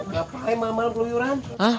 gapain mamel keluyuran